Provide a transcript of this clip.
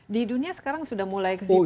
di dunia sekarang sudah mulai ke situ